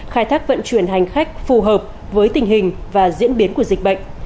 khai thác vận chuyển hành khách phù hợp với tình hình và diễn biến của dịch bệnh